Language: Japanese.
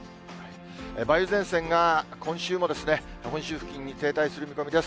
梅雨前線が今週も本州付近に停滞する見込みです。